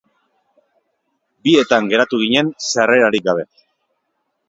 Bietan geratu ginen sarrerarik gabe.